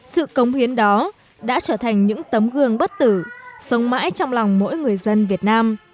sự công hiến đó đã trở thành những tấm gương bất tử sống mãi trong lòng mỗi người dân việt nam